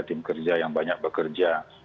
tim kerja yang banyak bekerja